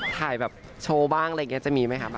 ถ่ายแบบโชว์บ้างอะไรอย่างนี้จะมีไหมครับ